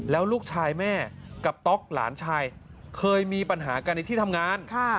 แล้วลูกชายแม่กับต๊อกหลานชายเคยมีปัญหากันในที่ทำงาน